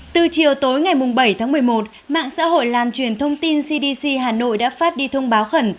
từ chiều tối ngày bảy tháng một mươi một mạng xã hội lan truyền thông tin cdc hà nội đã phát đi thông báo khẩn